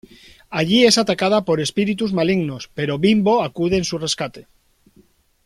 Allí es atacada por espíritus malignos, pero Bimbo acude en su rescate.